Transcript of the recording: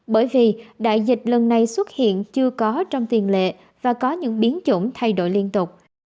bởi vì đại dịch lần này xuất hiện chưa có trong tiền lệ và có những biến chủng thay đổi liên tục